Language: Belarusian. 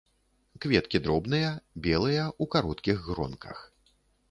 Кветкі дробныя, белыя, у кароткіх гронках.